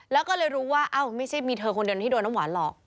แล้วก็เลยรู้ว่าเอ้าไม่ใช่มีเธอคนเดียวที่โดนน้ำหวานหลอก